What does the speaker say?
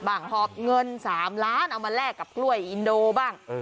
หอบเงิน๓ล้านเอามาแลกกับกล้วยอินโดบ้าง